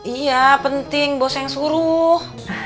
iya penting bos yang suruh